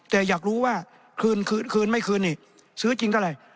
แต่อยากรู้ว่าคืนไม่คืนนี่ซื้อจริงก็อะไร